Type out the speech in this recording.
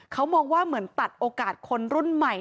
เขามองว่าเหมือนตัดโอกาสคนรุ่นใหม่